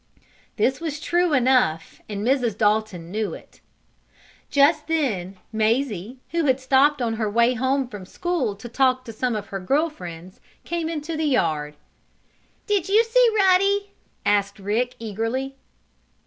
This was true enough, and Mrs. Dalton knew it. Just then Mazie, who had stopped on her way home from school to talk to some of her girl friends, came into the yard. "Did you see Ruddy?" asked Rick, eagerly.